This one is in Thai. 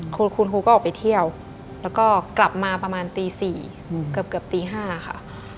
คุณครูก็ออกไปเที่ยวแล้วก็กลับมาประมาณตี๔เกือบตี๕ค่ะ